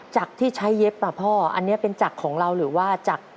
จากที่ใช้เย็บอ่ะพ่ออันนี้เป็นจักรของเราหรือว่าจาก